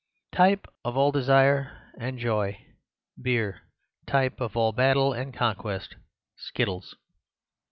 Type of all desire and joy—beer. Type of all battle and conquest—skittles.